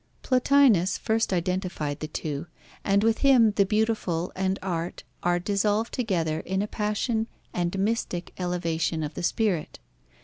Plotinus first identified the two, and with him the beautiful and art are dissolved together in a passion and mystic elevation of the spirit.